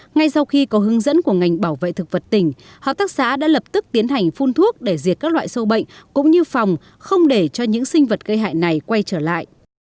ngay sau khi có hướng dẫn của ngành bảo vệ thực vật tỉnh hợp tác xã đã lập tức tiến hành phun thuốc để diệt các loại sâu bệnh cũng như phòng không để cho những sinh vật gây hại này quay trở lại